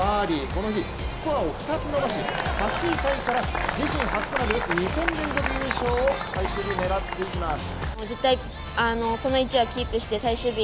この日スコアを２つ伸ばし８位タイから、自身初となる２戦連続優勝を最終日、狙っていきます。